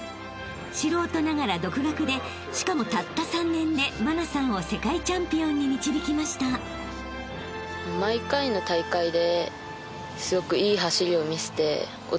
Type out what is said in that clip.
［素人ながら独学でしかもたった３年で茉奈さんを世界チャンピオンに導きました］って思えるように。